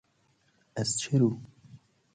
ازچه رو